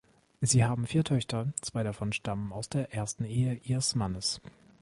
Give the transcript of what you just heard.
Sie haben vier Töchter, zwei davon stammen aus der ersten Ehe ihres Mannes.